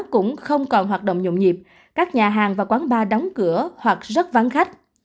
cũng không còn hoạt động nhộn nhịp các nhà hàng và quán bar đóng cửa hoặc rất vắng khách